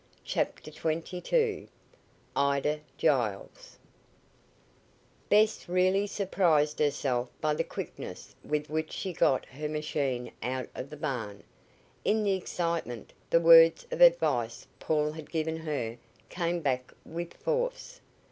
CHAPTER XXII IDA GILES Bess really surprised herself by the quickness with which she got her machine out of the barn. In the excitement the words of advice Paul had given her came back with force.